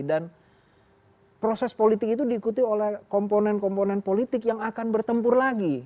dan proses politik itu diikuti oleh komponen komponen politik yang akan bertempur lagi